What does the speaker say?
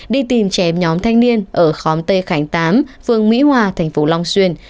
đi tìm chém nhóm thanh niên ở khóm tê khánh tám phường mỹ hòa thành phố long xuyên